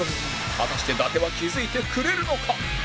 果たして伊達は気付いてくれるのか？